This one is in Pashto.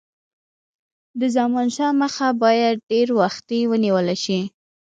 د زمانشاه مخه باید ډېر وختي ونیوله شي.